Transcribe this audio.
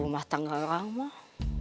mata ngerang mah